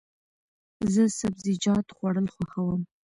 زه سبزیجات خوړل خوښوم.